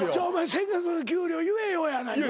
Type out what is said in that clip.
先月の給料言えよやないかい。